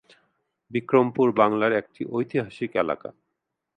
বিক্রমপুর বাংলার একটি ঐতিহাসিক এলাকা।